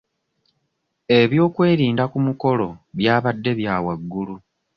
Eby'okwerinda ku mukolo by'abadde bya waggulu.